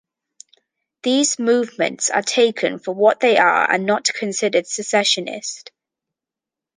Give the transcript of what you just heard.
These "movements" are taken for what they are and not considered secessionist.